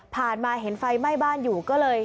มาเห็นไฟไหม้บ้านอยู่ก็เลย